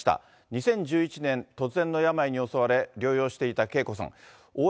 ２０１１年、突然の病に襲われ、療養していたＫＥＩＫＯさん。